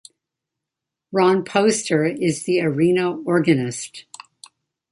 Ron Poster is the arena organist.